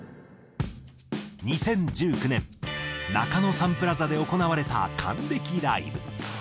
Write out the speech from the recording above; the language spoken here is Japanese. ２０１９年中野サンプラザで行われた還暦ライブ。